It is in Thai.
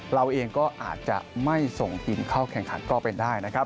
เราเองก็อาจจะไม่ส่งทีมเข้าแข่งขันก็เป็นได้นะครับ